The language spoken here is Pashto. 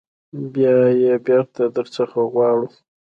بیا یې بیرته در څخه غواړو.